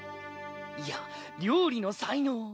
いや料理の才能